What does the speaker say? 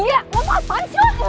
ya lompat banget